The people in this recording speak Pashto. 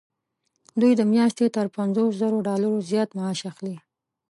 دوی د میاشتې تر پنځوس زرو ډالرو زیات معاش اخلي.